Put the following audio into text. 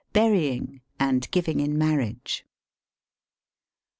BURYING AND GIVINa IN MARRIAGE.